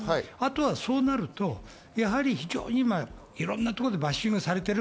そうなると、非常にいろんなところでバッシングされている。